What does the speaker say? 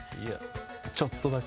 ちょっとだけ。